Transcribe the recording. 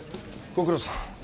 ご苦労さん。